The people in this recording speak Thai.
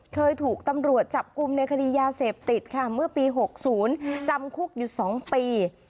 เคยถูกตำรวจจับกลุ่มในคดียาเสพติดค่ะเมื่อปี๖๐จำคุกอยู่๒ปี